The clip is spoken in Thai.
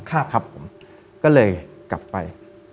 ก็เลยกลับไป